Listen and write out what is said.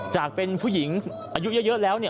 จากเป็นผู้หญิงอายุเยอะแล้วเนี่ย